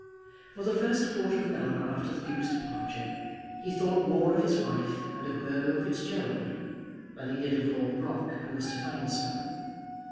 For the first quarter of an hour after the Duke's departure he thought more of his wife and of Burgo Fitzgerald than he did of Lord Brock and Mr. Finespun.